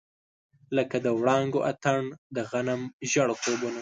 لکه د وړانګو اتڼ، د غنم ژړ خوبونه